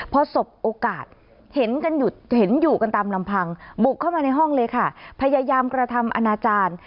พอสบโอกาสเห็นกันอยู่เห็นอยู่กันตามลำพังบุกเข้ามาในห้องเลยค่ะพยายามกระทำอนาจารย์